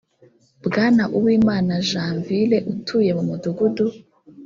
bwana uwimana janvi re utuye mu mudugudu